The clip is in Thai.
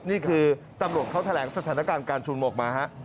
นี่คือตำรวจเขาแถลงสถานการณ์การชุมนุมออกมาฮะ